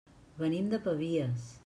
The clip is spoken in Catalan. Venim de Pavies.